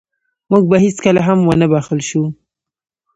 موږ به هېڅکله هم ونه بښل شو.